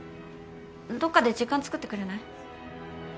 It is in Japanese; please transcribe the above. どこかで時間作ってくれない？